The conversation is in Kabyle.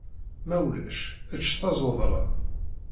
Ma ulac, ečč tazuḍla.